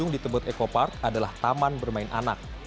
di tebet ecopark adalah taman bermain anak